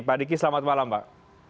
pak diki selamat malam pak